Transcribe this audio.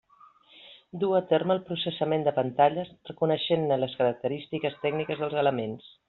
Duu a terme el processament de pantalles, reconeixent-ne les característiques tècniques dels elements.